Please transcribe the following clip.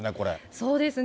そうですね。